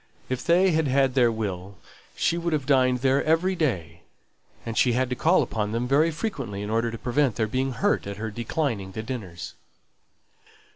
If they had had their will she would have dined there every day; and she had to call upon them very frequently in order to prevent their being hurt at her declining the dinners.